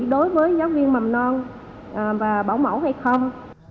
đối với giáo viên mầm non và bảo mẫu hay không